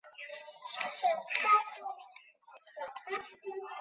但是大陆地区以外手机号用户不受影响。